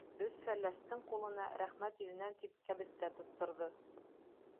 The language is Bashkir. Өф-Фәләстең ҡулына, рәхмәт йөҙөнән тип, кәбеҫтә тотторҙо.